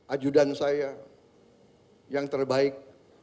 ajudan saya yang terbaik